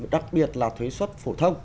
đặc biệt là thuế xuất phổ thông